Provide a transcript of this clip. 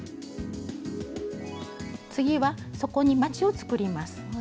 次は底にまちを作ります。